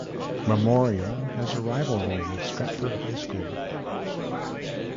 Memorial has a rivalry with Stratford High School.